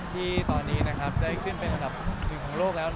ที่ตอนนี้ได้ขึ้นเป็นอันดับหนึ่งของโลกแล้ว